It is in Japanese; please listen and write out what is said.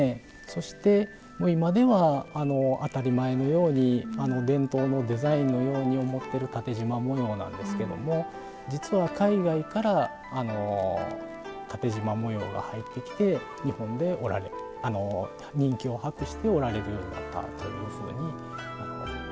そして今では当たり前のように伝統のデザインのように思ってる縦じま模様なんですけども実は海外から縦じま模様が入ってきて日本で人気を博して織られるようになったというふうに。